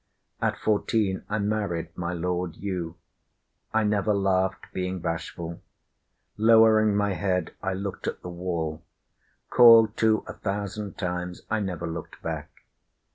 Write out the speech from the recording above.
At fourteen I married My Lord you. I never laughed, being bashful. Lowering my head, I looked at the wall. Called to, a thousand times, I never looked back.